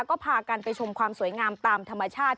ก็พากันไปชมความสวยงามตามธรรมชาติ